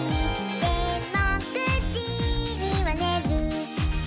「でも９じにはねる」